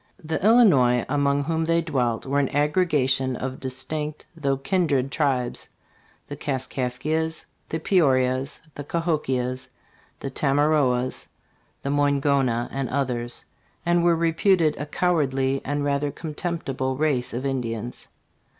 The Illinois among whom they dwelt were an aggregation of distinct though kindred tribes the Kaskaskias, the Peorias, the Kahokias, the Tama roas, the "Moingona and others,* and were reputed a cowardly and rather contemptible race of Indians.